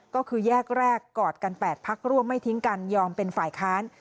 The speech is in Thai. ก็คือแยกแรกกอดกัน๘พักร่วมไม่ทิ้งกันยอมเป็นฝ่ายค้าน